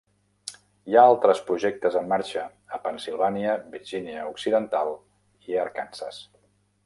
Hi ha altres projectes en marxa a Pennsilvània, Virgínia Occidental i Arkansas.